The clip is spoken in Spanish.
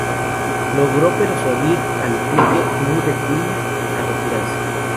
Logró persuadir al duque Mu de Qin a retirarse.